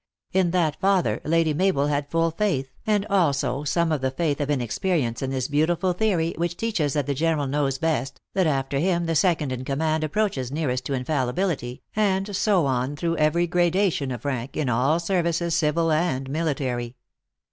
In that father, Lady Mabel had full faith, and also some of the faith of in experience in the beautiful theory which teaches that the general knows best, that after him the second in command approaches nearest to infallibility, and so on through every gradation of rank, in all services, civil and military.